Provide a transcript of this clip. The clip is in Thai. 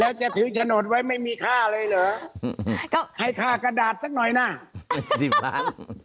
แล้วจะถือโฉนดไว้ไม่มีค่าเลยเหรอก็ให้ค่ากระดาษสักหน่อยนะ๗๐ล้าน